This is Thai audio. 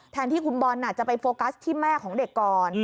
แทนที่คุณบอลจะไปโฟกัสที่แม่ของเด็กก่อน